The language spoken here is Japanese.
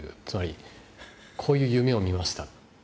つまりこういう夢を見ました